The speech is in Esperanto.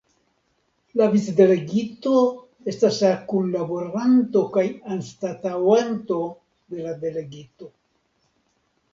La Vicdelegito estas la kunlaboranto kaj anstataŭanto de la Delegito.